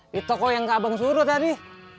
di toko yang abang suruh tadi